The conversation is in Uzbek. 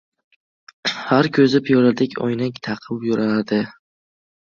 Har «ko‘zi» piyoladek oynak taqib yuradi.